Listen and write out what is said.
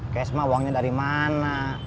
cash mah uangnya dari mana